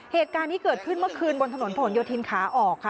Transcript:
เหตุการณ์นี้เกิดขึ้นเมื่อคืนบนถนนผลโยธินขาออกค่ะ